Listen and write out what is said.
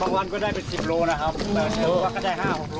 บางวันก็ได้เป็น๑๐กิโลนะครับแบบเชียวว่าก็ได้๕๖กิโล